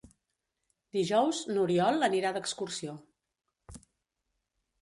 Dijous n'Oriol anirà d'excursió.